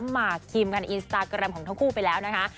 หมากคิมกันในอินสตาแกรมของทั้งคู่ไปแล้วนะคะ